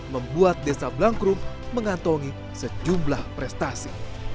membuat desa blangkrum mengantongi sejumlah prestasi